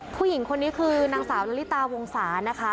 ผู้หญิงคนนี้คือนางสาวละลิตาวงศานะคะ